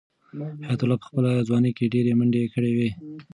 حیات الله په خپله ځوانۍ کې ډېرې منډې کړې وې.